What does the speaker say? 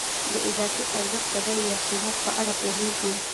د اضافي ارزښت د بیې یا قیمت په اړه پوهېږو